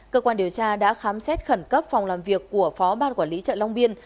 cơ quan điều tra đã khám xét khẩn cấp phòng làm việc của phó ban quản lý chợ long biên